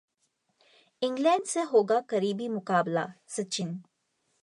England से होगा करीबी मुकाबला: सचिन